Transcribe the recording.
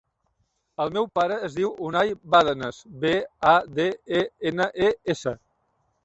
El meu pare es diu Unay Badenes: be, a, de, e, ena, e, essa.